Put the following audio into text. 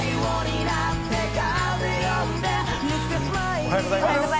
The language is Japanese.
おはようございます。